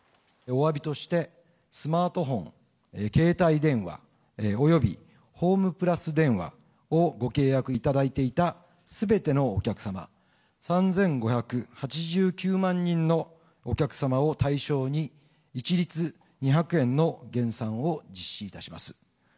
おわびとして、スマートフォン、携帯電話、およびホームプラス電話をご契約いただいていたすべてのお客様、３５８９万人のお客様を対象に、一律２００円の減算を実施いたします。